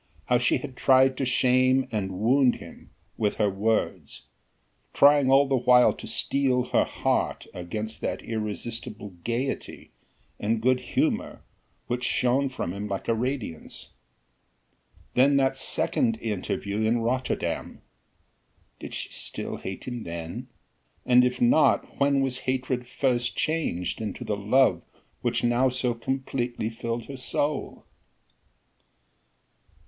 how she had tried to shame and wound him with her words, trying all the while to steel her heart against that irresistible gaiety and good humour which shone from him like a radiance: then that second interview in Rotterdam! did she still hate him then? and if not when was hatred first changed into the love which now so completely filled her soul?